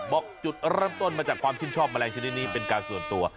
บอกจุดเริ่มต้นมาจากความชื่นชอบแมลงชนิดนี้เป็นการส่วนตัว